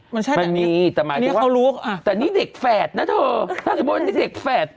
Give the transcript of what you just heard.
มันมีแต่หมายถึงว่าแต่นี้เด็กแฝดนะโทษคำนวณนี้เล็กแฝด